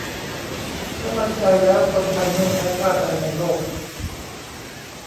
ถ้าตั้งใจแล้ว คนไทย ไม่แพ้ชาติใดในโลก !